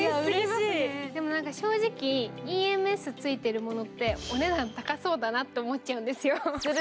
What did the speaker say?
でもなんか正直、ＥＭＳがついてるものって、お値段高そうって思っちゃうんですよ。